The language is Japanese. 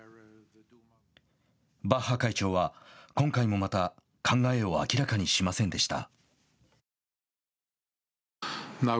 バッハ会長は今回もまた考えを明らかにしませんでした。